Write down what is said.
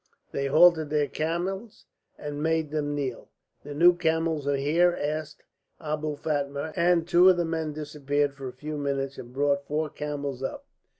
They halted their camels and made them kneel. "The new camels are here?" asked Abou Fatma, and two of the men disappeared for a few minutes and brought four camels up.